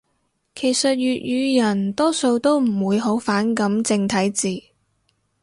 其實粵語人多數都唔會好反感正體字